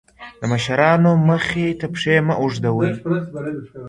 د مشرانو مخې ته پښې مه اوږدوئ.